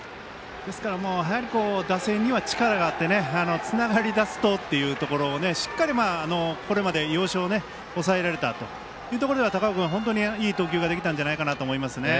打線には力があってつながりだすとというところをしっかりこれまで要所を押さえられたというところでは高尾君、本当にいい投球ができたんじゃないかなと思います。